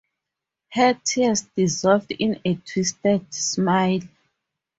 Her tears dissolved in a twisted smile.